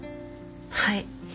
はい。